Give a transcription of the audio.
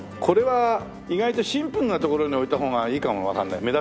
これは意外とシンプルな所に置いたほうがいいかもわかんない。